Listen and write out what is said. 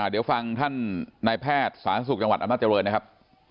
เดี๋ยวฟังท่านนายแพทย์สาธารณสุขจังหวัดอำนาจริงนะครับ